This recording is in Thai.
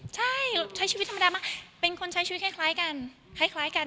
ใช่ใช้ชีวิตธรรมดามากเป็นคนใช้ชีวิตคล้ายกันคล้ายกัน